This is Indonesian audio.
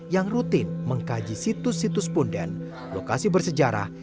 yang rutin mengkaji situs situs punden lokasi bersejarah